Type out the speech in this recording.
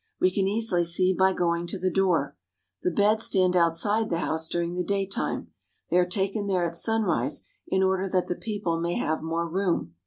We can easily see by going to the door. The beds stand outside the house during the daytime. They are taken there at sunrise, in order that the people may have more room.